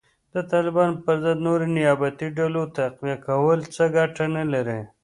د طالبانو په ضد نورې نیابتي ډلو تقویه کول څه ګټه نه لري